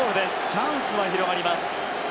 チャンスは広がります。